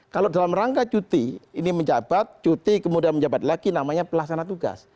kalau dalam rangka cuti ini menjabat cuti kemudian menjabat lagi namanya pelaksana tugas